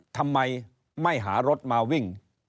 ทำไมไม่หารถมาวิ่ง